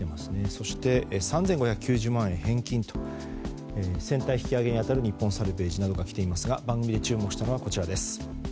そして３５９０万円返金と船体引き揚げに当たる日本サルヴェージなどが挙がっていますが番組で注目したのはこちらです。